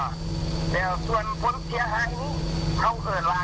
ที่แน่นอนหรือว่าผู้ชูนหายในรายงานนอกมีแต่ว่า